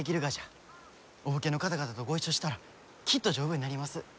お武家の方々とご一緒したらきっと丈夫になります。